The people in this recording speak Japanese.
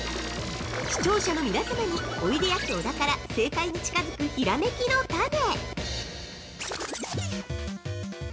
◆視聴者の皆様においでやす小田から正解に近づくひらめきのタネ。